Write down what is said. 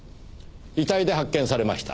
遺体で発見されました。